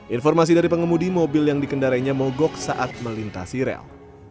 informasi dari pengemudi mobil yang dikendarainya mogok saat melintasi rel